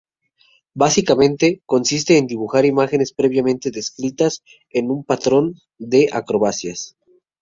Básicamente, consiste en dibujar imágenes previamente descritas en un patrón de acrobacias.